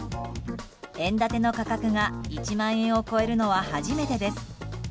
円建ての価格が１万円を超えるのは初めてです。